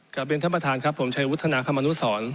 กลับเป็นท่านประธานครับผมชายวุฒิท่านอาคารมนุษย์สอน